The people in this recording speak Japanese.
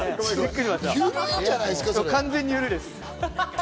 完全にゆるいです。